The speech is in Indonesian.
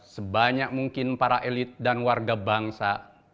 sebanyak mungkin para elit dan warga bangsa